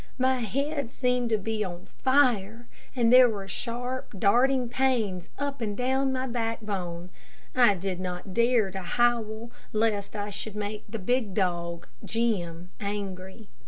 My head seemed to be on fire, and there were sharp, darting pains up and down my backbone. I did not dare to howl, lest I should make the big dog, Jim, angry.